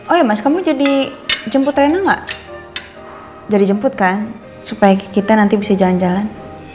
oh ya mas kamu jadi jemput rena gak jadi jemput kan supaya kita nanti bisa jalan jalan